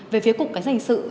về phía cục cảnh sát hình sự